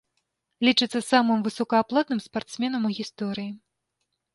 Лічыцца самым высокааплатным спартсменам у гісторыі.